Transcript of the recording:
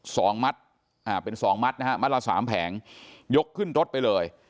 สองมัดอ่าเป็นสองมัดนะฮะมัดละสามแผงยกขึ้นรถไปเลย